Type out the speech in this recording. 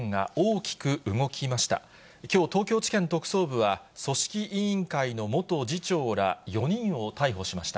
きょう、東京地検特捜部は、組織委員会の元次長ら４人を逮捕しました。